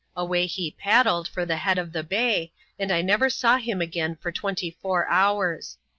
155 awaj he paddled for the head of the bay, and I never saw him again for twenty four hours.